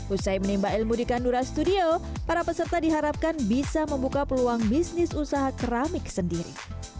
usai menimba ilmu di kandura studio para peserta diharapkan bisa membuka peluang bisnis usaha keramik sendiri